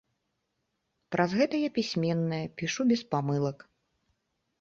Праз гэта я пісьменная, пішу без памылак.